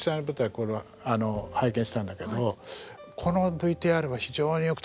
これは拝見したんだけどこのＶＴＲは非常によく撮れてますよ。